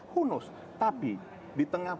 who knows tapi di tengah